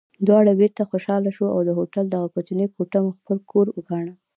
دواړه بېرته خوشحاله شوو او د هوټل دغه کوچنۍ کوټه مو خپل کور وګاڼه.